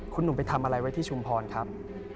คุณหนุ่มไปทำอะไรไว้ที่ชุมพรครับ